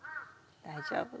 大丈夫。